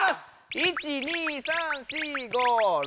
１２３４５６。